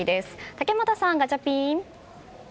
竹俣さん、ガチャピン。